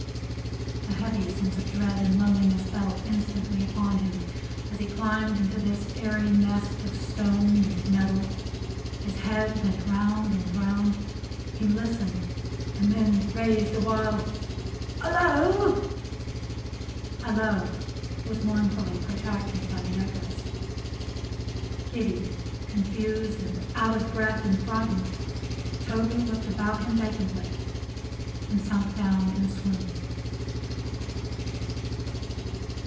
A heavy sense of dread and loneliness fell instantly upon him, as he climbed into this airy nest of stone and metal. His head went round and round. He listened and then raised a wild "Halloa!" Halloa! was mournfully protracted by the echoes. Giddy, confused, and out of breath, and frightened, Toby looked about him vacantly, and sunk down in a swoon.